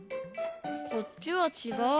こっちはちがう。